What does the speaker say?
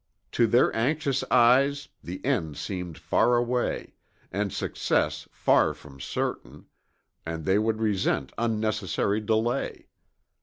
To their anxious eyes the end seemed far away, and success far from certain, and they would resent unnecessary delay.